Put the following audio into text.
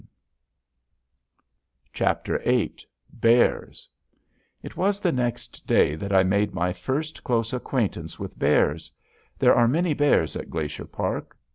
VIII BEARS It was the next day that I made my first close acquaintance with bears. There are many bears in Glacier Park.